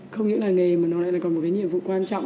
không những làng nghề mà nó lại còn một cái nhiệm vụ quan trọng